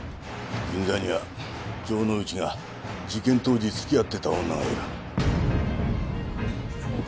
銀座には城之内が事件当時付き合ってた女がいる。